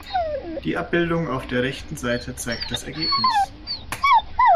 Die Abbildung auf der rechten Seite zeigt das Ergebnis.